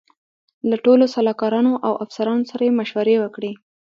له ټولو سلاکارانو او افسرانو سره یې مشورې وکړې.